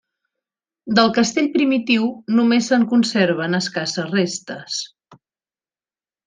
Del castell primitiu només se'n conserven escasses restes.